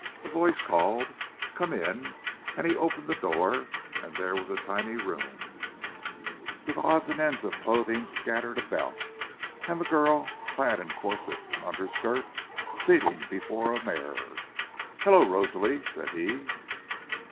A voice called, "Come in," and he opened the door; and there was a tiny room, with odds and ends of clothing scattered about, and the girl, clad in corsets and underskirt, sitting before a mirror. "Hello, Rosalie," said he.